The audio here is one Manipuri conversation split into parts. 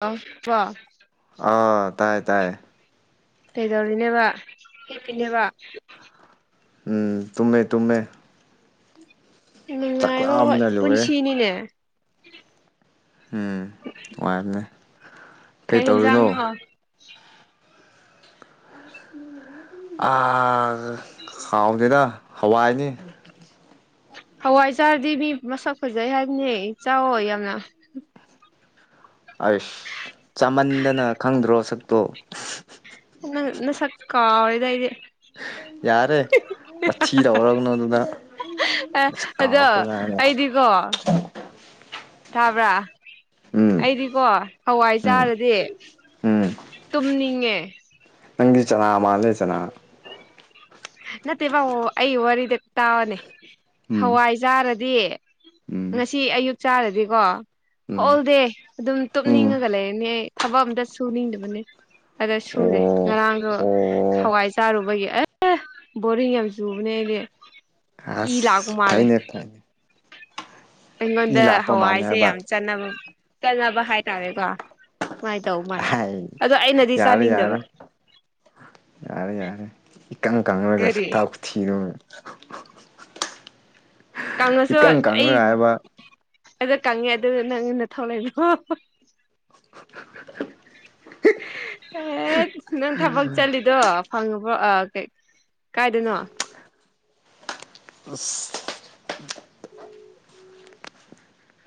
ꯑ ꯋꯥ ꯑꯥ ꯇꯥꯏ ꯇꯥꯏ ꯀꯩꯗꯧꯔꯤꯅꯦꯕ ꯍꯦꯞꯄꯤꯅꯦꯕ ꯎꯝ ꯇꯨꯝꯃꯦ ꯇꯨꯝꯃꯦ ꯅꯨꯡꯉꯥꯏꯕ ꯆꯥꯛꯂꯥꯝꯕꯅ ꯂꯣꯏꯔꯦ ꯄꯨꯟꯁꯤꯅꯤꯅꯦ ꯎꯝ ꯅꯨꯡꯉꯥꯏꯕꯅꯦ ꯀꯩ ꯇꯧꯔꯤꯅꯣ ꯑ ꯈꯥꯎꯗꯅ ꯍꯋꯥꯏꯅꯤ ꯍꯋꯥꯏ ꯆꯥꯔꯗꯤ ꯃꯤ ꯃꯁꯛ ꯐꯖꯩ ꯍꯥꯏꯕꯅꯦ ꯆꯥꯛꯑꯣ ꯌꯥꯝꯅ ꯑꯁ ꯆꯃꯟꯗꯅ ꯈꯪꯗ꯭ꯔꯣ ꯁꯛꯇꯣ ꯏ ꯁꯀꯥꯗ ꯏꯗꯤ ꯌꯥꯔꯦ ꯃꯤꯔꯎꯔꯒꯅꯨ ꯑꯗꯨꯗ ꯑ ꯑꯁ ꯑꯗꯣ ꯀꯥꯎꯈ꯭ꯔꯖꯥꯠꯅꯤ ꯑꯩꯗꯤꯀꯣ ꯊꯥꯕ꯭ꯔꯥ ꯎꯝ ꯑꯩꯗꯤꯀꯣ ꯍꯋꯥꯏ ꯎꯝ ꯆꯥꯔꯗꯤ ꯎꯝ ꯇꯨꯝꯅꯤꯡꯉꯦ ꯅꯪꯒꯤ ꯆꯅꯥ ꯃꯥꯂꯦ ꯆꯅꯥ ꯅꯠꯇꯦ ꯕ ꯑꯩ ꯋꯥꯔꯤꯗ ꯇꯥꯕꯅꯦ ꯎꯝ ꯍꯋꯥꯏꯖꯥꯔꯗꯤ ꯎꯝ ꯉꯁꯤ ꯑꯌꯨꯛ ꯆꯥꯔꯗꯤꯀꯣ ꯎꯝ ꯍꯣꯜ ꯗꯦ ꯑꯗꯨꯝ ꯎꯝ ꯇꯨꯞꯅꯤꯡꯉꯒ ꯂꯩꯔꯅꯤ ꯑꯩ ꯊꯕꯛ ꯑꯝꯇ ꯁꯨꯅꯤꯡꯗꯕꯅꯦ ꯑꯗ ꯁꯨꯔꯦ ꯑꯣ ꯉꯔꯥꯡꯗꯣ ꯑꯣ ꯍꯋꯥꯏ ꯆꯥꯔꯨꯕꯒꯤ ꯑꯁ ꯕꯔꯤꯡ ꯌꯥꯝ ꯆꯨꯕꯅꯦ ꯏ ꯑꯁ ꯂꯥꯛꯒꯨꯝ ꯃꯥꯂꯦ ꯐꯩꯅꯦ ꯐꯩꯅꯦ ꯏ ꯑꯩꯉꯣꯟꯗ ꯂꯥꯛꯄ ꯃꯥꯜꯂꯦ ꯍꯋꯥꯏꯁꯦ ꯍꯥꯏꯕ ꯌꯥꯝ ꯆꯠꯅꯕ ꯀꯅꯕ ꯍꯥꯏꯇꯥꯔꯦꯀꯣ ꯇꯧ ꯃꯥꯜꯂꯦ ꯑꯍꯥꯏ ꯑꯗꯣ ꯑꯩꯅꯗꯤ ꯌꯥꯔꯦ ꯆꯥꯅꯤꯡꯗꯕ ꯌꯥꯔꯦ ꯌꯥꯔꯦ ꯌꯥꯔꯦ ꯏꯀꯪ ꯀꯪꯉꯒ ꯀꯔꯤ ꯁꯛꯇꯥꯛ ꯎꯊꯤꯗꯨꯝ ꯀꯥꯡꯉꯁꯨ ꯑꯩ ꯀꯪꯂꯒ ꯍꯥꯏꯕ ꯑꯗ ꯀꯪꯉꯦ ꯑꯗꯨꯗ ꯅꯪꯟꯅ ꯊꯣꯛꯂꯛꯏꯅꯣ ꯑꯦ ꯅꯪ ꯊꯕꯛ ꯆꯠꯂꯤꯗꯣ ꯐꯪꯉꯕ꯭ꯔꯣ ꯀꯥꯏꯗꯅꯣ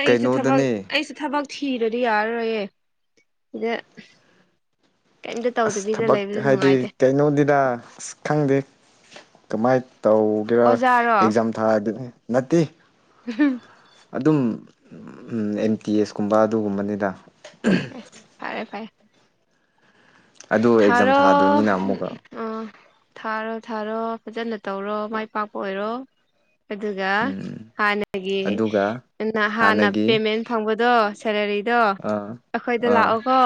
ꯑꯩꯁꯨ ꯊꯕꯛ ꯀꯩꯅꯣꯗꯅꯤ ꯑꯩꯁꯨ ꯊꯕꯛ ꯈꯔꯗꯤ ꯌꯥꯔ ꯔꯣꯏ ꯏꯗ ꯑꯁ ꯊꯕꯛ ꯍꯥꯏꯗꯤ ꯀꯩꯅꯣꯗꯤꯗ ꯑꯁ ꯈꯪꯗꯦ ꯀꯃꯥꯏꯅ ꯇꯧꯒꯦꯔꯥ ꯑꯣꯖꯥꯔꯣ ꯑꯦꯛꯖꯥꯝ ꯊꯥꯗ ꯅꯠꯇꯦ ꯎꯝ ꯑꯗꯨꯝ ꯑꯦꯝ ꯇꯤ ꯑꯦꯁ ꯀꯨꯝꯕ ꯑꯗꯨꯒꯨꯝꯕꯅꯤꯗ ꯐꯔꯦ ꯐꯔꯦ ꯑꯗꯨ ꯑꯦꯛꯖꯥꯝ ꯊꯥꯔꯣ ꯊꯥꯗꯣꯏꯅꯤꯅ ꯑꯃꯨꯛꯀ ꯑ ꯊꯥꯔꯣ ꯊꯥꯔꯣ ꯐꯖꯅ ꯇꯧꯔꯣ ꯃꯥꯏ ꯄꯥꯛꯄ ꯑꯣꯏꯔꯣ ꯑꯗꯨꯒ ꯎꯝ ꯍꯥꯟꯅꯒꯤ ꯑꯗꯨꯒ ꯍꯥꯟꯅ ꯍꯥꯟꯅꯒꯤ ꯄꯦꯃꯦꯟ ꯐꯪꯕꯗꯣ ꯁꯦꯂꯔꯤ ꯑꯗꯣ ꯑꯥ ꯑꯩꯈꯣꯏꯗ ꯑꯥ ꯂꯥꯛꯑꯣꯀꯣ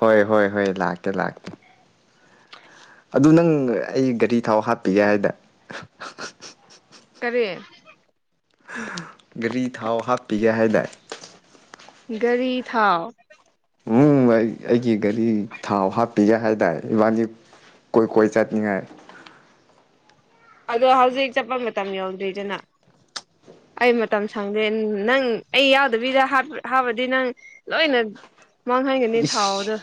ꯍꯣꯏ ꯍꯣꯏ ꯍꯣꯏ ꯂꯥꯛꯀꯦ ꯂꯥꯛꯀꯦ ꯑꯗꯨ ꯅꯪ ꯑꯩ ꯒꯥꯔꯤ ꯊꯥꯎ ꯍꯥꯞꯄꯤꯒꯦ ꯍꯥꯏꯗꯅ ꯀꯔꯦ ꯒꯥꯔꯤ ꯊꯥꯎ ꯍꯥꯞꯄꯤꯒꯦ ꯍꯥꯏ ꯇꯔꯦ ꯒꯥꯔꯤ ꯊꯥꯎ ꯎ ꯑꯩ ꯑꯩꯒꯤ ꯒꯥꯔꯤ ꯊꯥꯎ ꯍꯥꯞ ꯄꯤꯒꯦ ꯍꯥꯏꯇꯥꯔꯦ ꯏꯕꯥꯗꯤ ꯀꯣꯏ ꯀꯣꯏ ꯆꯠꯅꯤꯡꯉꯥꯏ ꯑꯗꯣ ꯍꯧꯖꯤꯛ ꯆꯠꯄ ꯃꯇꯝ ꯌꯧꯗ꯭ꯔꯤꯗꯅ ꯑꯩ ꯃꯇꯝ ꯁꯪꯗꯦ ꯅꯪ ꯑꯩ ꯌꯥꯎꯗꯕꯤꯗ ꯍꯥꯞꯕꯗꯤ ꯅꯪ ꯂꯣꯏꯅ ꯃꯥꯡꯍꯟꯒꯅꯤ ꯏꯁ ꯊꯥꯎꯗ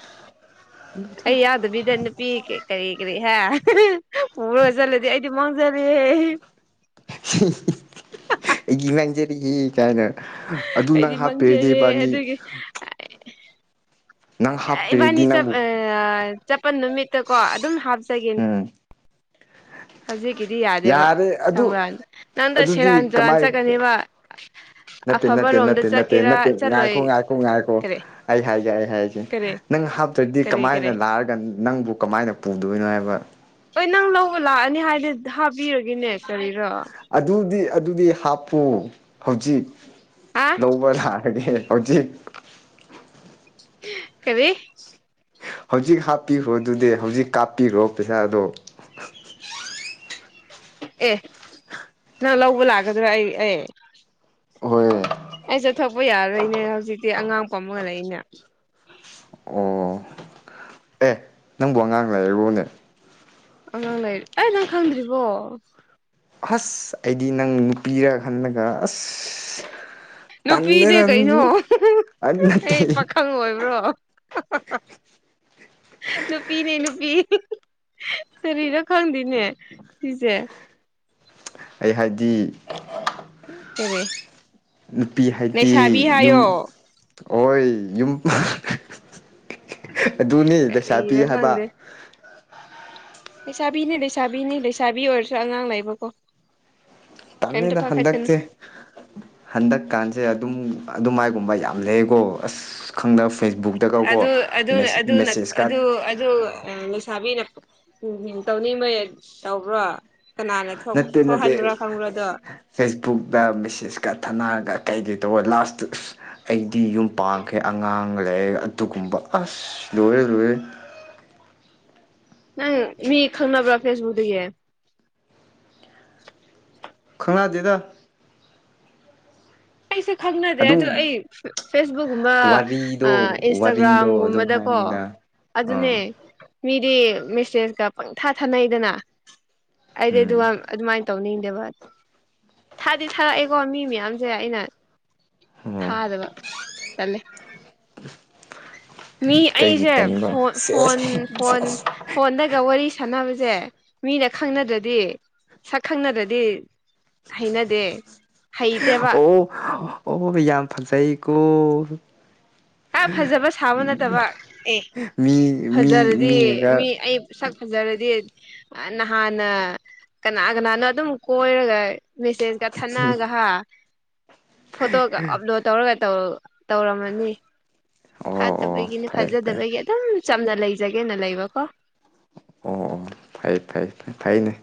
ꯑꯩ ꯌꯥꯗꯕꯤꯗꯅ ꯄꯤ ꯀ ꯀꯔꯤ ꯀꯔꯤ ꯍꯥꯏ ꯍ ꯆꯂꯗꯤ ꯑꯩꯗꯤ ꯃꯪꯖꯂ ꯒꯤ ꯃꯪꯖꯔꯤ ꯍꯤ ꯀꯥꯏꯅ ꯑꯗꯨ ꯑꯩꯗꯤ ꯅꯪ ꯃꯥꯡꯖꯔꯦ ꯍꯥꯞꯄꯦꯔꯗꯤꯕꯥꯅꯤ ꯑꯗꯨꯒꯤ ꯏꯕꯥꯅꯤ ꯅꯪꯕꯨ ꯆꯄꯜ ꯅꯨꯃꯤꯠꯇ ꯀꯣ ꯑꯗꯨꯝ ꯍꯥ ꯎꯝ ꯍꯧꯖꯤꯛ ꯒꯤꯗꯤ ꯌꯥꯗꯦꯕ ꯌꯥꯔꯦ ꯑꯗꯨ ꯁꯒꯨꯔ ꯅꯪꯗ ꯑꯗꯨꯗꯤ ꯁꯦꯔꯥꯟ ꯆꯨꯔꯥꯟ ꯀꯃꯥꯏ ꯆꯠꯀꯅꯦꯕ ꯅꯠꯇꯦ ꯅꯠꯇꯦ ꯑꯐꯕꯔꯣꯝꯗ ꯅꯠꯇꯦ ꯅꯠꯇꯦ ꯆꯠꯀꯦꯔꯥ ꯅꯠꯇꯦ ꯆꯠꯂꯣꯏ ꯉꯥꯏꯈꯣ ꯉꯥꯏꯈꯣ ꯉꯥꯏꯈꯣ ꯀꯔꯤ ꯑꯩ ꯍꯥꯏꯒꯦ ꯑꯩ ꯍꯥꯏꯒꯦ ꯀꯔꯤ ꯅꯪ ꯍꯥꯞꯇ꯭ꯔꯗꯤ ꯀꯔꯤ ꯀꯔꯤ ꯀꯃꯥꯏꯅ ꯂꯥꯛꯔꯒ ꯅꯪꯕꯨ ꯀꯃꯥꯏꯅ ꯄꯨꯗꯣꯏꯅꯣ ꯍꯥꯏꯕ ꯍꯣꯏ ꯅꯪ ꯂꯧꯕ ꯂꯥꯛꯑꯅꯤ ꯍꯥꯏꯗꯤ ꯊꯥꯕꯤꯔꯒꯦꯅꯦ ꯀꯔꯤꯔꯣ ꯑꯗꯨꯗꯤ ꯑꯗꯨꯗꯤ ꯍꯥꯞꯄꯨ ꯍꯧꯖꯤꯛ ꯑ ꯂꯧꯕ ꯂꯅꯥꯔꯒꯦ ꯍꯧꯥꯎꯖꯤ ꯀꯔꯤ ꯍꯧꯖꯤꯛ ꯍꯥꯞꯄꯤꯈ꯭ꯔꯣ ꯑꯗꯨꯗꯤ ꯍꯧꯖꯤꯛ ꯀꯥꯞꯄꯤꯈ꯭ꯔꯣ ꯄꯩꯁꯥꯗꯣ ꯑꯦ ꯅꯪ ꯂꯧꯕ ꯂꯥꯛꯀꯗ꯭ꯔꯥ ꯑꯩ ꯑꯦ ꯍꯣꯏ ꯑꯩꯁꯠꯊꯄ ꯌꯥꯔꯣꯏꯅꯦ ꯍꯧꯖꯤꯛꯇꯤ ꯑꯉꯥꯡꯄ ꯑꯃꯒꯂꯛꯏꯅꯦ ꯑꯣ [unintelligible] ꯑꯦ ꯅꯪꯕꯨ ꯑꯉꯥꯡ ꯂꯩꯕꯨꯅꯦ ꯑꯉꯥꯡ ꯂꯩꯔꯤ ꯑꯩ ꯅꯪ ꯈꯪꯗ꯭ꯔꯤꯕꯣ ꯑꯁ ꯑꯩꯗꯤ ꯅꯪ ꯅꯨꯄꯤꯔ ꯈꯜꯂꯒ ꯑꯁ ꯅꯨꯄꯤꯅꯦ ꯇꯜꯂꯦꯗ ꯀꯩꯅꯣ ꯑꯗꯨꯗꯤ ꯑꯗꯨ ꯅꯠꯇꯦ ꯑꯩ ꯄꯥꯈꯪ ꯑꯣꯏꯕ꯭ꯔꯣ ꯅꯨꯄꯤꯅꯦ ꯅꯨꯄꯤ ꯀꯔꯤꯔꯣ ꯈꯪꯗꯦꯅꯦ ꯁꯤꯁꯦ ꯑꯩ ꯍꯥꯏꯗꯤ ꯔꯤꯦ ꯅꯨꯄꯤ ꯍꯥꯏꯗꯤ ꯌꯨꯝ ꯑꯣꯏ ꯌꯨꯝ ꯑꯗꯨꯅꯤ ꯄꯩꯁꯥ ꯄꯤ ꯀꯔꯤꯔ ꯍꯥꯏꯕ ꯂꯩꯁꯥꯕꯤꯅꯤ ꯂꯩꯁꯥꯕꯤꯅꯤ ꯂꯩꯁꯥꯕꯤ ꯑꯣꯏꯔꯁꯨ ꯑꯉꯥꯡ ꯂꯩꯕꯀꯣ ꯀꯩꯝꯇ ꯀꯜꯂꯤꯗ ꯄꯥꯈꯠꯀꯅꯨ ꯍꯟꯗꯛꯁꯦ ꯍꯟꯗꯛꯀꯥꯟꯁꯦ ꯑꯗꯨꯝ ꯑꯗꯨꯃꯥꯏꯒꯨꯝꯕ ꯌꯥꯝ ꯂꯩꯀꯣ ꯑꯁ ꯈꯪꯗ ꯑ ꯐꯦꯁꯕꯨꯛꯇꯒꯀꯣ ꯑꯗꯨ ꯑꯗꯨ ꯅ ꯑ ꯃꯦꯁꯦꯁꯀ ꯑꯗꯨ ꯑ ꯂꯁꯕꯤ ꯅꯞ ꯎꯝ ꯎꯝ ꯇꯧꯅꯤꯡ ꯃꯣꯏ ꯇꯧꯕ꯭ꯔꯣ ꯀꯅꯥꯅ ꯅꯠꯇꯦ ꯅꯠꯇꯦ ꯊꯣꯛꯍꯟꯕ꯭ꯔꯥ ꯈꯪꯕ꯭ꯔꯥꯗꯣ ꯐꯦꯁꯕꯨꯛꯇ ꯃꯦꯁꯦꯁꯀ ꯊꯥꯅꯔꯒ ꯀꯩ ꯀꯩꯇꯧꯕ ꯂꯥꯁꯇ ꯑꯁ ꯑꯩꯗꯤ ꯌꯨꯝ ꯄꯥꯡꯈ꯭ꯔꯦ ꯑꯉꯥꯡ ꯂꯩ ꯑꯗꯨꯒꯨꯝꯕ ꯑꯁ ꯂ ꯂꯋ [unintelligible] ꯅꯪ ꯃꯤ ꯈꯪꯅꯕ꯭ꯔꯥ ꯐꯦꯁꯕꯨꯛꯇꯒꯤ ꯈꯅꯥꯗꯦꯗ ꯑꯩꯁꯨꯦ ꯈꯪꯅꯗꯦ ꯑꯗꯨꯝ ꯑꯗꯨꯗ ꯑꯩ ꯐꯦꯁꯕꯨꯛꯀꯨꯝꯕ ꯋꯥꯔꯤꯗꯣ ꯋꯥꯔꯤꯗꯣ ꯑꯗꯨꯝ ꯏꯟꯁꯇꯥꯒ꯭ꯔꯥꯝꯒꯨꯝꯕꯗꯀꯣ ꯍꯥꯏꯕꯅꯤꯗ ꯑꯥ ꯑꯗꯨꯗꯅꯦ ꯃꯤꯗꯤ ꯃꯦꯁꯦꯁꯀ ꯄꯪꯊꯥ ꯊꯥꯅꯩꯗꯅ ꯑꯩꯗꯤ ꯑꯗꯨ ꯎꯝ ꯑꯗꯨꯃꯥꯏꯅ ꯇꯧꯅꯤꯡꯗꯦꯕ ꯊꯥꯗꯤ ꯊꯥꯔꯛꯑꯦꯀꯣ ꯃꯤ ꯃꯌꯥꯝꯁꯦ ꯑꯩꯅ ꯑꯣ ꯊꯗꯕ ꯇꯂꯦ ꯃꯤ ꯀꯩꯒꯤ ꯑꯩꯁꯦ ꯇꯟꯕ ꯐꯣꯟ ꯁꯦꯁ ꯐꯣꯟ ꯁꯦꯁ ꯐꯣꯟꯗꯒ ꯋꯥꯔꯤ ꯁꯥꯟꯅꯕꯁꯦ ꯁꯦ ꯃꯤꯅ ꯈꯪꯅꯗ꯭ꯔꯗꯤ ꯁꯛ ꯈꯪꯅꯗ꯭ꯔꯗꯤ ꯍꯩꯅꯗꯦ ꯍꯩꯇꯦꯕ ꯑꯣ ꯑꯣ ꯌꯥꯝ ꯐꯖꯩꯀꯣ ꯑ ꯐꯖꯕ ꯁꯥꯕ ꯅꯠꯇꯕ ꯑꯦ ꯃꯤ ꯃꯤ ꯐꯖꯔꯗꯤ ꯃꯤꯅꯒ ꯃꯤ ꯑꯩ ꯁꯛ ꯐꯖꯔꯗꯤ ꯅꯍꯥꯟꯅ ꯀꯅꯥ ꯀꯅꯥꯅꯣ ꯑꯗꯨꯝ ꯀꯣꯏꯔꯒ ꯃꯦꯁꯦꯖ ꯀ ꯊꯅꯒ ꯍꯥ ꯐꯣꯇꯣꯒ ꯑꯞꯂꯣꯗ ꯇꯧꯔꯒ ꯇꯧꯔꯝꯃꯅꯤ ꯑꯣ ꯑꯣ ꯐꯠꯇꯕꯒꯤꯅꯦ ꯐꯩ ꯐꯩ ꯐꯖꯗꯕꯒꯤ ꯑꯗꯨꯝ ꯆꯝꯅ ꯂꯩꯖꯒꯦꯅ ꯂꯩꯕꯀꯣ ꯑꯣ ꯐꯥꯏ ꯐꯥꯏ ꯐꯥꯏꯅꯦ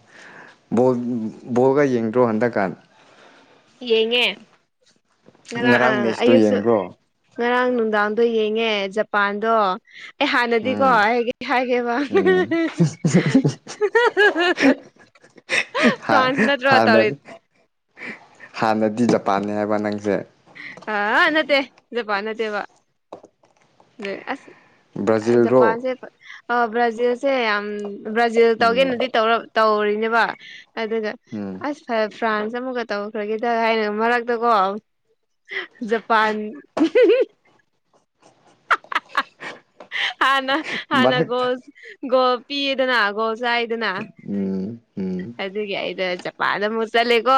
ꯕꯣꯜꯒ ꯌꯦꯡꯗ꯭ꯔꯣ ꯍꯟꯗꯛꯀꯥꯟ ꯌꯦꯡꯉꯦ ꯉ ꯑ ꯉꯔꯥꯡ ꯃꯦꯠꯁꯇꯨ ꯑꯌꯨꯛꯁꯨ ꯌꯦꯡꯕ꯭ꯔꯣ ꯉꯔꯥꯡ ꯅꯨꯡꯗꯥꯡꯗꯣ ꯌꯦꯡꯉꯦ ꯖꯄꯥꯟꯗꯣ ꯑꯦ ꯍꯥꯟꯅꯗꯤꯀꯣ ꯎꯝ ꯑꯩꯒꯦ ꯍꯥꯏꯒꯦꯕ ꯎꯝ ꯐ꯭ꯔꯥꯟꯁ ꯅꯠꯇ꯭ꯔꯣ ꯇꯧꯔꯤ ꯍꯥꯟꯅꯗꯤ ꯍꯥꯟꯅꯗꯤ ꯖꯄꯥꯟꯅꯤ ꯍꯥꯏꯕ ꯅꯪꯁꯦ ꯑ ꯅꯠꯇꯦꯄ ꯅꯠꯇꯦꯕ ꯑꯁ ꯕ꯭ꯔꯥꯖꯤꯜꯔꯣ ꯖꯄꯥꯟꯁꯦ ꯕ꯭ꯔꯥꯖꯤꯜꯁꯦ ꯌꯥꯝ ꯕ꯭ꯔꯥꯖꯤꯜ ꯎꯝ ꯇꯧꯒꯦꯅꯗꯤ ꯇꯧ ꯇꯧꯔꯤꯅꯦꯕ ꯑꯗꯨꯒ ꯎꯝ ꯑꯁ ꯐ ꯐ꯭ꯔꯥꯟꯁ ꯑꯃꯨꯛꯒ ꯇꯧꯈ꯭ꯔꯒꯦꯗ ꯍꯥꯏꯅ ꯃꯔꯛꯇꯀꯣ ꯖꯄꯥꯟ ꯍꯥꯟꯅ ꯃꯊꯛꯇ ꯍꯥꯟꯅꯒꯣꯁꯣ ꯄꯤꯗꯅꯥꯒꯣꯁ ꯆ ꯍꯥꯏꯗꯅ ꯎꯝ ꯎꯝ ꯑꯗꯨꯒꯤ ꯑꯩꯗꯅ ꯖꯄꯥꯟꯗ ꯑꯃꯨꯛ ꯆꯠꯂꯦꯀꯣ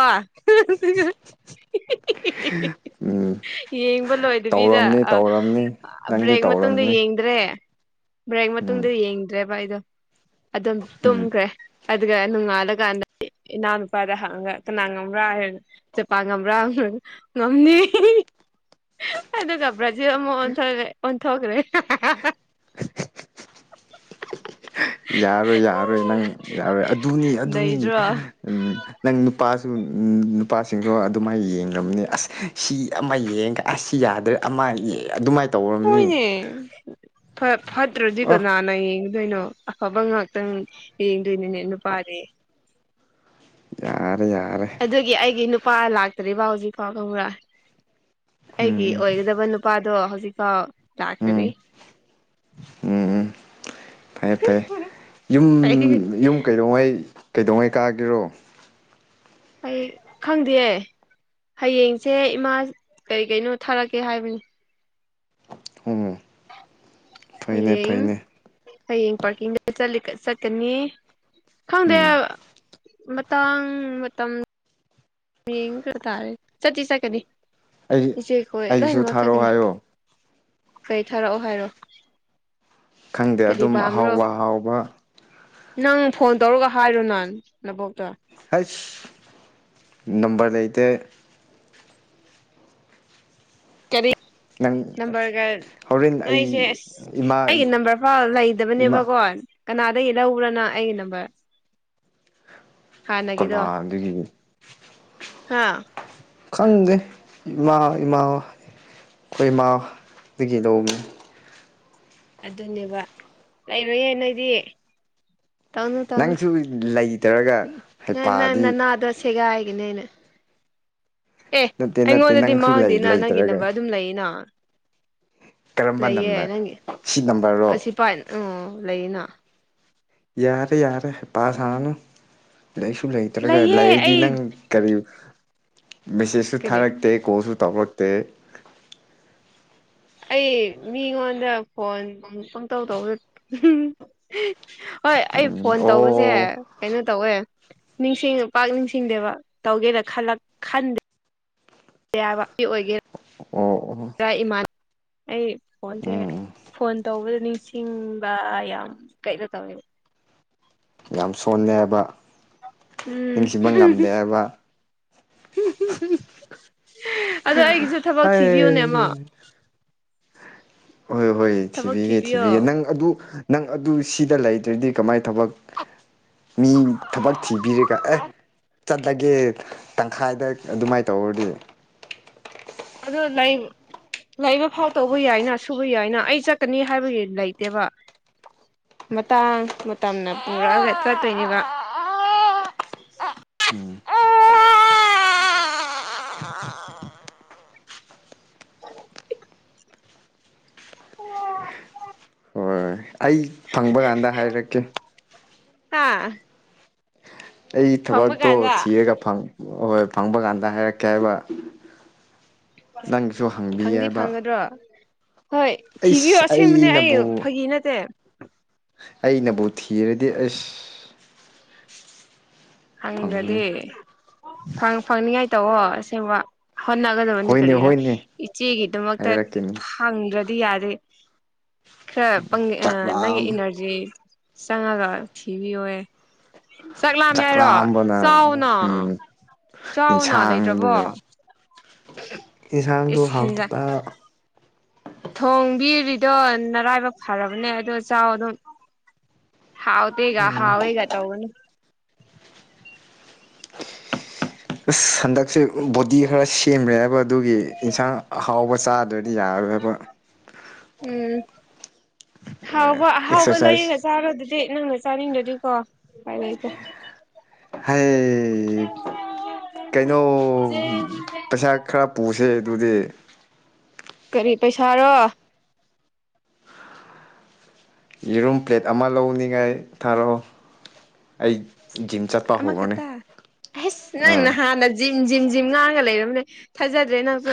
ꯎꯝ [inaudible] ꯌꯦꯡꯕ ꯂꯣꯏꯗꯕꯤꯗ ꯇꯧꯔꯝꯅꯤ ꯑ ꯇꯧꯔꯝꯅꯤ ꯅꯪꯗꯤ ꯕ꯭ꯔꯦꯛ ꯃꯇꯨꯡꯗ ꯇꯧꯔꯝꯅꯤ ꯌꯦꯡꯗ꯭ꯔꯦ ꯕ꯭ꯔꯦꯛ ꯎꯝ ꯃꯇꯨꯡꯗ ꯌꯦꯡꯗ꯭ꯔꯦꯕ ꯑꯩꯗꯣ ꯑꯗꯨꯝ ꯎꯝ ꯇꯨꯝꯈ꯭ꯔꯦ ꯑꯗꯨꯒ ꯅꯨꯅꯨꯡ ꯑꯗ ꯀꯥꯟꯗꯦ ꯏꯅꯥꯎꯅꯨꯄꯥꯗ ꯍꯪꯉꯒ ꯀꯅꯥ ꯉꯝꯕ꯭ꯔꯥ ꯍꯥꯏꯔ ꯆꯄ ꯉꯝꯕ꯭ꯔꯥ ꯉꯝꯅꯤ ꯑꯗꯨꯒ ꯕ꯭ꯔꯖꯤꯜ ꯑꯃꯨꯛ ꯑꯣꯦ ꯑꯣꯟꯊꯣꯛꯈ꯭ꯔꯦ [inaudible] ꯌꯥꯔꯣꯏ ꯌꯥꯔꯣꯏ ꯅꯪ ꯌꯥꯔꯣꯏ ꯑꯗꯨꯅꯤ ꯑꯗꯨꯅꯤ ꯂꯩꯗ꯭ꯔꯣ ꯎꯝ ꯅꯪ ꯅꯨꯄꯥ ꯑꯗꯨ ꯅꯨꯄꯥꯁꯤꯡꯁꯨ ꯑꯗꯨꯃꯥꯏꯅ ꯌꯦꯡꯂꯡꯕꯅꯤ ꯑꯁ ꯁꯤ ꯑꯃ ꯌꯦꯡꯉꯒ ꯑꯁ ꯌꯥꯗ꯭ꯔꯦ ꯑꯃ ꯑꯗꯨꯃꯥꯏꯅ ꯇꯧꯔꯝꯅꯤ ꯍꯣꯏꯅꯦ ꯐ ꯐꯠꯇ꯭ꯔꯖꯤ ꯑꯣ ꯀꯅꯥꯅ ꯀꯩꯅꯣ ꯑꯐꯕ ꯉꯥꯛꯇꯪ ꯌꯦꯡꯗꯣꯏꯅꯤꯅꯦ ꯅꯨꯄꯥꯗꯤ ꯌꯥꯔꯦ ꯌꯥꯔꯦ ꯑꯗꯨꯒꯤ ꯑꯩꯒꯤ ꯅꯨꯄꯥ ꯂꯥꯛꯇ꯭ꯔꯤꯕ ꯍꯧꯖꯤꯛꯐꯥꯎ ꯀꯧꯕ꯭ꯔ ꯎꯝ ꯑꯩꯒꯤ ꯎꯝ ꯑꯣꯏꯒꯗꯕ ꯅꯨꯄꯥꯗꯣ ꯍꯧꯖꯤꯛꯐꯥꯎ ꯂꯥꯛꯇꯔꯤ ꯎꯝ ꯎꯝ ꯎꯝ ꯐꯔꯦ ꯐꯩꯦ ꯌꯨꯝ ꯑꯩ ꯌꯨꯝ ꯀꯩꯗꯧꯉꯩ ꯀꯩꯗꯧꯉꯩ ꯀꯥꯒꯤꯔꯣ ꯑꯩ ꯈꯪꯗꯦ ꯍꯌꯦꯡꯁꯦ ꯏꯃꯥ ꯀꯔꯤ ꯀꯩꯅꯣ ꯊꯥꯔꯛꯀꯦ ꯍꯥꯏꯕꯅꯤ ꯎ ꯐꯩꯅꯦ ꯍꯌꯦꯡ ꯐꯩꯅꯦ ꯍꯌꯦꯡ ꯄꯥꯔꯀꯤꯡꯗꯠ ꯆꯠꯀꯅꯤ ꯈꯪꯗꯦ ꯎꯝ ꯃꯇꯥꯡ ꯃꯇꯝ ꯃꯤꯡꯁꯨ ꯇꯥꯔꯦ ꯆꯠ ꯆ ꯆꯠꯀꯅꯤ ꯑꯩ ꯆꯦꯈꯣꯏ ꯂꯣꯏꯅ ꯑꯩꯒꯤꯁꯨ ꯃ ꯊꯥꯔꯛꯑꯣ ꯆꯒꯅꯤ ꯍꯥꯏꯌꯣ ꯀꯩ ꯊꯥꯔꯛꯑꯣ ꯍꯥꯏꯔꯣ ꯈꯪꯗꯦ ꯀꯔꯤ ꯑꯗꯨꯝ ꯄꯥꯝꯕ꯭ꯔꯣ ꯑꯍꯥꯎꯕ ꯑꯍꯥꯎꯕ ꯅꯪ ꯐꯣꯟ ꯇꯧꯔꯒ ꯍꯥꯏꯔꯨ ꯅꯥꯟ ꯅꯕꯣꯛꯇꯣ ꯍꯁ ꯅꯝꯕꯔ ꯂꯩꯇꯦ ꯀꯔꯤ ꯅꯪ ꯅꯝꯕꯔꯒ ꯍꯣꯔꯦꯟ ꯑꯩ ꯅꯣꯏꯁꯦ ꯑꯁ ꯏꯃꯥ ꯑꯩꯒꯤ ꯅꯝꯕꯔ ꯐꯥꯎ ꯏꯃꯥ ꯂꯩꯗꯕꯅꯦꯕꯀꯣ ꯀꯅꯥꯗꯒꯤ ꯂꯧꯕ꯭ꯔꯥꯅ ꯑꯩꯒꯤ ꯅꯝꯕꯔ ꯍꯅꯒꯗꯣ ꯀꯅꯥꯗꯒꯤ ꯍꯥꯥ ꯈꯪꯗꯦ ꯏꯃꯥ ꯏꯃꯥ ꯑꯩꯈꯣꯏ ꯏꯃꯥꯗꯒꯤ ꯂꯧꯅꯤ ꯑꯗꯨꯅꯦꯕ ꯂꯩꯔꯣꯏꯌꯦꯦ ꯅꯣꯏꯗꯤ ꯇꯧꯅ ꯇꯧꯅ ꯅꯪꯁꯨ ꯂꯩꯇ꯭ꯔꯒ ꯅ ꯅ ꯍꯩꯄꯥꯗꯤ ꯅꯅꯥ ꯑꯗꯣꯁꯦꯒ ꯍꯥꯏ ꯅꯦꯩꯅ ꯑꯦ ꯅꯠꯇꯦ ꯅꯠꯇꯦ ꯑꯩꯉꯣꯟꯗꯗꯤ ꯅꯪꯁꯨ ꯃꯥꯡꯗꯦꯅ ꯅꯪꯒꯤ ꯂꯩꯇ꯭ꯔꯒ ꯅꯝꯕꯔ ꯑꯗꯨꯝ ꯂꯩꯅ ꯀꯔꯝꯕ ꯂꯩꯌꯦꯦ ꯅꯝꯕꯔ ꯅꯪꯒꯤ ꯁꯤ ꯅꯝꯕꯔꯔꯣ ꯑꯁꯤ ꯄꯥꯏ ꯎ ꯂꯩꯅ ꯌꯥꯔ ꯌꯥꯔ ꯄꯥꯁꯅ ꯂꯥꯏꯔꯤꯛꯁꯨ ꯂꯩꯇ꯭ꯔꯒ ꯂꯩꯌꯦ ꯂꯩꯥꯏꯔꯤꯗꯤ ꯑꯩ ꯅꯪ ꯀꯔꯤ ꯃꯦꯁꯦꯖꯁꯨ ꯀꯔꯤ ꯊꯥꯔꯛꯇꯦ ꯀꯣꯜꯁꯨ ꯇꯧꯔꯛꯇꯦ ꯑꯩ ꯃꯤꯉꯣꯟꯗ ꯐꯣꯟ ꯀꯪꯝ ꯇꯧ ꯇꯧꯕ ꯍꯣꯏ ꯑꯩ ꯐꯣꯟ ꯇꯧꯕꯁꯦ ꯑꯣ ꯀꯩꯅꯣ ꯇꯧꯋꯦ ꯅꯤꯡꯁꯤꯡꯉ ꯄꯥꯛ ꯅꯤꯡꯁꯤꯡꯗꯦꯕ ꯇꯧꯒꯦꯅ ꯈꯜꯂ ꯈꯟꯗꯦ ꯀꯌꯥꯋꯥꯛꯀꯤ ꯑꯣꯏꯒꯦ ꯑꯣ ꯑꯣ ꯑꯩ ꯄꯣꯆꯦ ꯎꯝ ꯐꯣꯟ ꯇꯧꯕꯗ ꯅꯤꯡꯁꯤꯡꯕ ꯌꯥꯝ ꯀꯩꯅ ꯇꯧꯋꯕ ꯌꯥꯝ ꯁꯣꯜꯂꯦ ꯍꯥꯏꯕ ꯅꯤꯡꯁꯤꯡꯕ ꯉꯝꯗꯦ ꯍꯥꯏꯕ ꯑꯗ ꯑꯩꯒꯤꯁꯨ ꯊꯕꯛ ꯊꯤꯕꯤꯌꯨꯅꯦꯃ ꯍꯩ ꯍꯣꯏ ꯍꯣꯏ ꯊꯤꯕꯤꯒꯦ ꯊꯤꯕꯤꯌꯣ ꯊꯤꯕꯤꯒꯦ ꯅꯪ ꯑꯗꯨ ꯅꯪ ꯑꯗꯨ ꯁꯤꯗ ꯂꯩꯇ꯭ꯔꯗꯤ ꯀꯃꯥꯏ ꯇꯧ ꯊꯕꯛ ꯃꯤ ꯊꯕꯛ ꯊꯤꯕꯤꯔꯒ ꯑꯦ ꯆꯠꯂꯒꯦ ꯇꯪꯈꯥꯏꯗ ꯑꯗꯨꯃꯥꯏꯅ ꯇꯧꯔꯗꯤ ꯑꯗ ꯂꯥꯏ ꯂꯩꯕ ꯐꯥꯎ ꯇꯧꯕ ꯌꯥꯏꯅ ꯁꯨꯕ ꯌꯥꯏꯅ ꯑꯩ ꯆꯠꯀꯅꯤ ꯍꯥꯏꯕꯒꯤ ꯂꯩꯇꯦꯕ ꯃꯇꯥꯡ ꯃꯇꯝꯅ ꯄꯨꯔꯥꯒ ꯆ ꯇꯣꯏꯅꯤꯅ ꯑ ꯑ ꯎꯝ ꯑ ꯑꯣ ꯍꯣꯏ ꯑꯩ ꯐꯪꯕ ꯀꯥꯟꯗ ꯍꯥꯏꯔꯛꯀꯦ ꯍꯥꯥ ꯑꯩꯒꯤ ꯊꯕꯛꯇꯣ ꯊꯤꯔꯒ ꯍꯣꯏ ꯐꯪꯕ ꯀꯥꯟꯗ ꯍꯥꯏꯔꯛꯀꯦ ꯍꯥꯏꯕ ꯅꯪꯒꯤꯁꯨ ꯍꯪꯕꯤ ꯐꯪꯗꯤ ꯍꯥꯏꯕ ꯐꯪꯒꯗ꯭ꯔꯣ ꯍꯣꯏ ꯊꯤꯕꯤꯌꯣ ꯑꯩꯁ ꯑꯁꯦꯡꯕꯅꯦ ꯑꯩ ꯑꯩꯅꯕꯨ ꯐꯒꯤ ꯅꯠꯇꯦ ꯑꯩꯅꯕꯨ ꯊꯤꯔꯗꯤ ꯑꯁ ꯍꯪꯗꯗꯤ ꯐꯪꯕꯅꯦ ꯐꯪꯅꯤꯉꯥꯏ ꯇꯑꯣꯣ ꯑꯁꯦꯡꯕ ꯍꯣꯠꯅꯒꯗꯕꯅꯦ ꯍꯣꯏꯅꯦ ꯀꯔꯤꯗ ꯍꯣꯏꯅꯦ ꯏꯆꯦꯒꯤꯗꯃꯛꯇ ꯍꯥꯏꯔꯛꯀꯅꯤ ꯍꯪꯗ꯭ꯔ ꯌꯥꯗꯦ ꯈꯔ ꯅꯪꯒꯤ ꯆꯥꯛꯂꯥꯝ ꯏꯅꯔꯖꯤ ꯆꯪꯉꯒ ꯊꯤꯕꯤꯌꯣ ꯆ ꯌꯥꯔ ꯆꯥꯛꯂꯥꯝꯕꯅ ꯆꯥꯎꯅ ꯎꯝ ꯆꯥꯎꯅ ꯂꯩꯇ꯭ꯔꯕꯣ ꯌꯦꯟꯁꯥꯡꯗꯨꯣ ꯏꯁ ꯍꯦꯟꯖꯥꯡ ꯍꯥꯎꯇꯄ ꯊꯣꯡꯕꯤꯔꯤꯗꯣ ꯅꯔꯥꯏꯕ ꯐꯔꯕꯅꯦ ꯑꯗꯣ ꯆꯥꯎ ꯑꯗꯨꯝ ꯍꯥꯎ ꯇ ꯍꯒ ꯍꯥꯎꯑꯣ ꯍꯦꯒ ꯇꯧꯕꯅ ꯑꯁ ꯍꯟꯗꯛꯁꯦ ꯕꯣꯗꯤ ꯈꯔ ꯁꯦ ꯁꯦꯝꯈ꯭ꯔꯦꯕ ꯑꯗꯨꯒꯤ ꯏꯟꯁꯥꯡ ꯑꯍꯥꯎꯕ ꯆꯥꯗ꯭ꯔꯗꯤ ꯌꯥꯔꯔꯣꯏꯕ ꯎꯝ ꯍꯥꯎꯕ ꯒꯍꯥꯎꯕ ꯑꯦꯛꯁꯔꯁꯥꯏꯁ ꯂꯩꯔ ꯆꯔꯥꯗꯤ ꯗꯤ ꯅꯪꯅ ꯆꯥꯅꯤꯡꯗ꯭ꯔꯗꯤꯀꯣ ꯎꯄꯥꯏ ꯂꯩꯇꯦ ꯍꯥꯏꯌꯦ ꯀꯩꯅꯣ ꯄꯩꯁꯥ ꯈꯔ ꯄꯨꯁꯦ ꯑꯗꯨꯗꯤ ꯀꯔꯤ ꯄꯩꯁꯥꯔꯣ ꯌꯦꯔꯨꯝ ꯄ꯭ꯂꯦꯠ ꯑꯃ ꯂꯧꯅꯤꯉꯥꯏ ꯊꯥꯔꯛꯑꯣ ꯑꯩ ꯖꯤꯝ ꯆꯠꯄ ꯑꯃ ꯍꯧꯔꯅꯤ ꯈꯇꯥ ꯑꯩꯁ ꯅꯪ ꯑꯥ ꯅꯍꯥꯟꯅ ꯖꯤꯝ ꯖꯤꯝ ꯖꯤꯝ ꯉꯥꯡꯒ ꯂꯩꯔꯝꯅꯦ ꯊꯥꯖꯗ꯭ꯔꯦ ꯅꯪꯁꯨ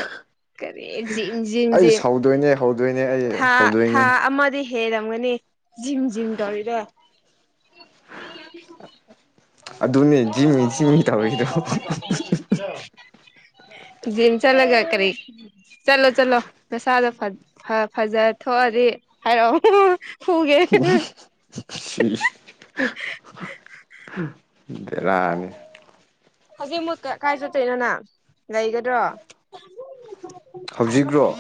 ꯀꯔꯤ ꯖꯤꯝ ꯖꯤꯝ ꯑꯩ ꯖꯤꯝ ꯍꯧꯗꯣꯏꯅꯦ ꯍꯧꯗꯣꯏꯅꯦ ꯑꯩ ꯊꯥ ꯊꯥ ꯍꯧꯗꯣꯏꯅꯦ ꯑꯃꯗꯤ ꯍꯦꯜꯂꯝꯒꯅꯤ ꯖꯤꯝ ꯖꯤꯝ ꯇꯧꯔꯤꯗꯣ ꯑꯗꯨꯅꯦ ꯖꯤꯝꯃꯤ ꯖꯤꯝꯃꯤ ꯑꯟꯏꯟꯇꯦꯜꯂꯤꯖꯦꯕꯜ ꯇꯧꯔꯤꯗꯣ ꯑꯟꯏꯟꯇꯦꯜꯂꯤꯖꯦꯕꯜ ꯖꯤꯝ ꯆꯠꯂꯒ ꯀꯔꯤ ꯆꯠꯂꯣ ꯆꯠꯂꯣ ꯅꯁꯥꯗꯣ ꯐ ꯐ ꯐꯖ ꯊꯣꯛꯑꯗꯤ ꯍꯥꯏꯔꯣ ꯑꯟꯏꯟꯇꯦꯜꯂꯤꯖꯦꯕꯜ ꯕꯦꯔꯥꯅꯤ ꯍꯧꯖꯤꯛ ꯃꯨꯛ ꯀ ꯀꯥꯏ ꯆꯠꯇꯣꯏꯅꯣ ꯅ ꯂꯩꯒꯗ꯭ꯔꯣ ꯍꯧꯖꯤꯛꯔꯣ